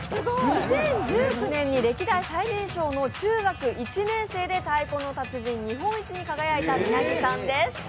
２０１９年に歴代最年少の中学１年製で「太鼓の達人」日本一に輝いた、みなぎさんです。